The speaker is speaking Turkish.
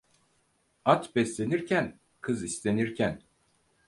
At beslenirken, kız istenirken.